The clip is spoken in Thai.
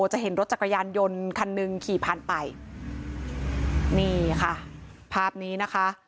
จะเห็นรถจักรยานยนต์คันหนึ่งขี่ผ่านไปนี่ค่ะภาพนี้นะคะ